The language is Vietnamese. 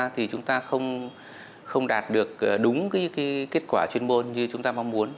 thì chúng ta không đạt được đúng kết quả chuyên môn như chúng ta mong muốn